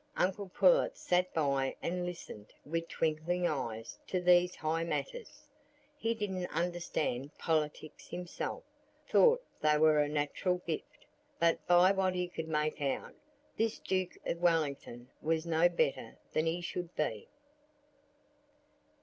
Uncle Pullet sat by and listened with twinkling eyes to these high matters. He didn't understand politics himself,—thought they were a natural gift,—but by what he could make out, this Duke of Wellington was no better than he should be.